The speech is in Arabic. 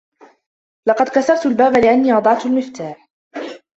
لقد كسرت الباب لأنني أضعت المفتاح.